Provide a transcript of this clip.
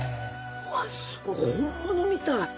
うわすごい本物みたい。